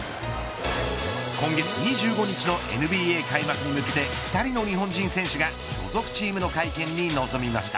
今月２５日のＮＢＡ開幕に向けて２人の日本人選手が所属チームの会見に臨みました。